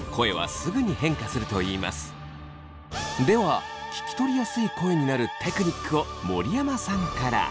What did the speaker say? では聞き取りやすい声になるテクニックを森山さんから。